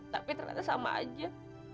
tapi ternyata sama aja